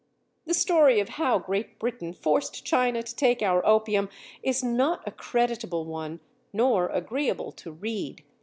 The story of how Great Britain forced China to take our opium is not a creditable one nor agreeable to read.